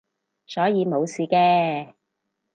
所以冇事嘅